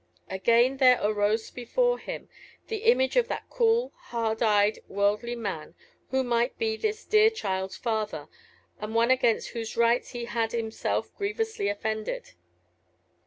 Again there arose before him the image of that cool, hard eyed, worldly man, who might be this dear child's father, and one against whose rights he had himself grievously offended.